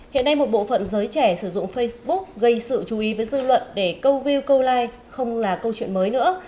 hiện nay một bộ phận giới trẻ sử dụng facebook gây sự chú ý với dư luận để câu view câu like không là câu chuyện mới nữa